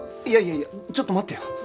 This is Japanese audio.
いやいやいやちょっと待ってよ。